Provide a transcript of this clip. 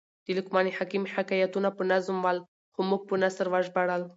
د لقمان حکم حکایتونه په نظم ول؛ خو موږ په نثر وژباړل.